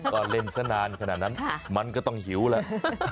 ก็เล่นซะนานขนาดนั้นมันก็ต้องหิวแหละ